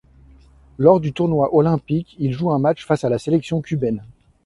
Lors du tournoi olympique, il joue un match face à la sélection cubaine.